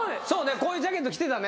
こういうジャケット着てたね。